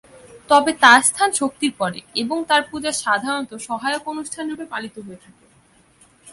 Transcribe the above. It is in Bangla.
তবে তার স্থান শক্তির পরে এবং তার পূজা সাধারণত সহায়ক অনুষ্ঠান রূপে পালিত হয়ে থাকে।